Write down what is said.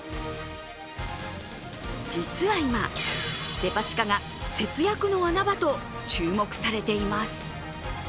実は今、デパ地下が節約の穴場と注目されています。